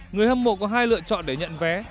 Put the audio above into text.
người hâm mộ có hai lựa chọn để nhận vé